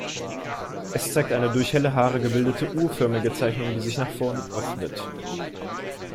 Es zeigt eine durch helle Haare gebildete, U-förmige Zeichnung, die sich nach vorn öffnet.